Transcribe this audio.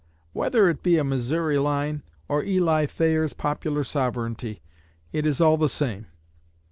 Whether it be a Missouri line, or Eli Thayer's Popular Sovereignty, it is all the same.